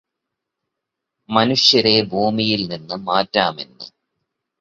മനുഷ്യരെ ഭൂമിയില് നിന്നും മാറ്റാമെന്ന്